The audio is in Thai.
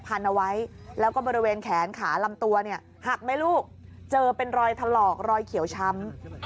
เอาไว้แล้วก็บริเวณแขนขาลำตัวเนี่ยหักไหมลูกเจอเป็นรอยถลอกรอยเขียวช้ำ